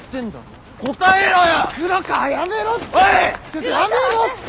ちょっとやめろって！